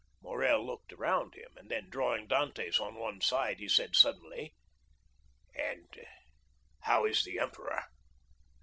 Morrel looked around him, and then, drawing Dantès on one side, he said suddenly— "And how is the emperor?"